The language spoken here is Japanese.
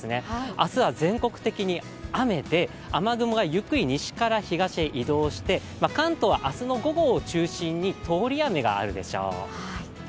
明日は全国的に雨で雨雲がゆっくり西から東へ移動して関東は明日の午後を中心に通り雨があるでしょう。